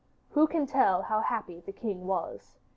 Who can tell how happy the king was?